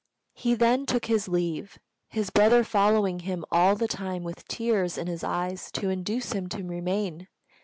He then took his leave, his brother following him all the time with tears in his eyes to induce him to remain.